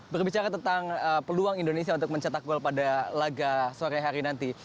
berbicara tentang peluang indonesia untuk mencetak gol pada laga sore hari nanti